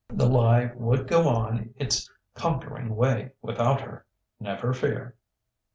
"The Lie" would go on its conquering way without her never fear!